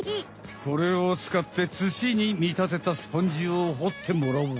これをつかって土にみたてたスポンジをほってもらおう。